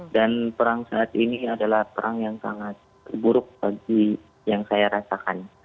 perang saat ini adalah perang yang sangat buruk bagi yang saya rasakan